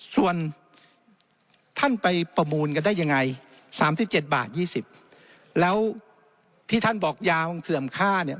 ส่วนท่านไปประมูลกันได้ยังไง๓๗บาท๒๐แล้วที่ท่านบอกยาวเสื่อมค่าเนี่ย